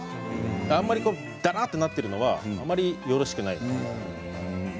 あまりだらっとなっているのはあまりよろしくない。